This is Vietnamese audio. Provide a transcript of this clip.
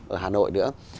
ở hà nội nữa